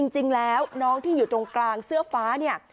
จริงแล้วน้องที่อยู่ตรงกลางเสื้อฟ้าเนี่ย